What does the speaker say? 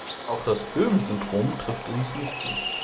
Auf das Boehm-Syndrom trifft dies nicht zu.